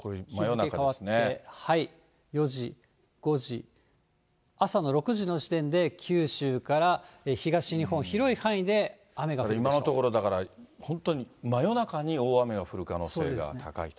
日付変わって４時、５時、朝の６時の時点で九州から東日本、今のところ、だから本当に真夜中に大雨が降る可能性が高いと。